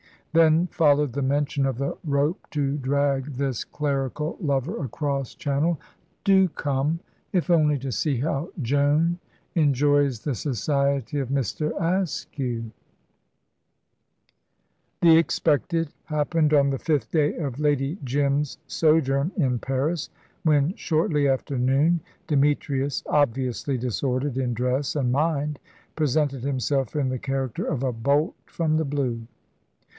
Then followed the mention of the rope to drag this clerical lover across Channel. "Do come, if only to see how Joan enjoys the society of Mr. Askew." The expected happened on the fifth day of Lady Jim's sojourn in Paris, when, shortly after noon, Demetrius, obviously disordered in dress and mind, presented himself in the character of a bolt from the blue.